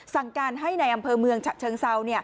สั่งการให้ในอำเภอเมืองฉะเชิงเซา